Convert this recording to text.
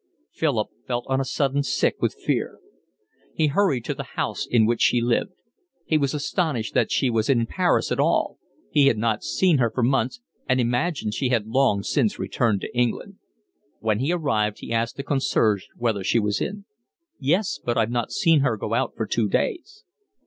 Philip felt on a sudden sick with fear. He hurried to the house in which she lived. He was astonished that she was in Paris at all. He had not seen her for months and imagined she had long since returned to England. When he arrived he asked the concierge whether she was in. "Yes, I've not seen her go out for two days."